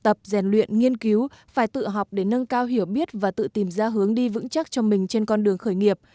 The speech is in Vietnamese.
tập rèn luyện nghiên cứu phải tự học để nâng cao hiểu biết và tự tìm ra hướng đi vững chắc cho mình trên con đường khởi nghiệp